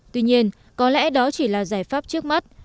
tuy nhiên có lẽ đó chỉ là giải pháp trước mắt